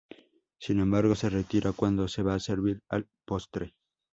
Sin embargo, se retira cuando se va a servir el postre.